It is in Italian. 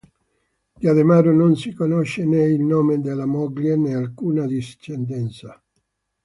Di Ademaro non si conosce né il nome della moglie né alcuna discendenza.